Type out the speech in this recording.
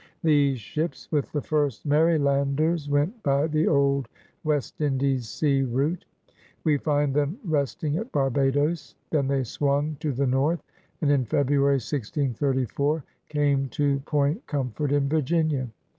These ships, with the first Marylanders, went by the old West Lidies sea route. We find them resting at Barbados; then they swung to the north and, in February, 1634, came to Point Com fort in Virginia.